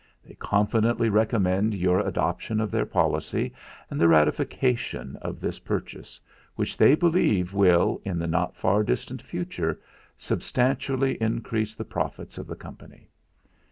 They confidently recommend your adoption of their policy and the ratification of this purchase, which they believe will, in the not far distant future, substantially increase the profits of the Company."